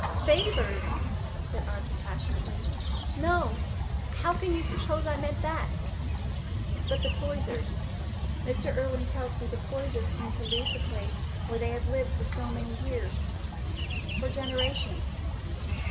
"Favours!" said Arthur, passionately; "no; how can you suppose I meant that? But the Poysers—Mr. Irwine tells me the Poysers mean to leave the place where they have lived so many years—for generations.